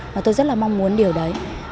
và tôi rất là mong muốn điều đấy